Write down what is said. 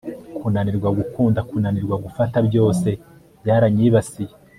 kunanirwa gukunda, kunanirwa gufata byose byaranyibasiye